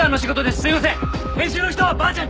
すいません。